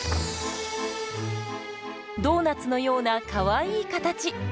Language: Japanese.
ドーナツのようなかわいい形。